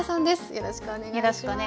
よろしくお願いします。